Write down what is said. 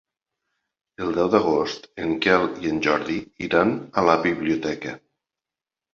El deu d'agost en Quel i en Jordi iran a la biblioteca.